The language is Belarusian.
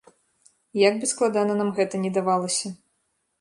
Як бы складана нам гэта ні давалася.